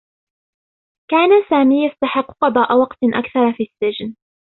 كان سامي يستحقّ قضاء وقت أكثر في السّجن.